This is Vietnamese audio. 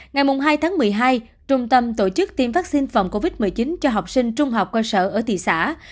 ngày hai tháng một mươi hai trung tâm tổ chức tiêm vaccine phòng covid một mươi chín cho học sinh trung học cơ sở ở thị xã